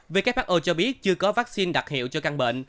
who cho biết chưa có vaccine đặc hiệu cho căn bệnh